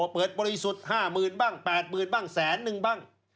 เปิดบริสุทธิ์ห้าหมื่นบ้างแปดหมื่นบ้างแสนนึงบ้าง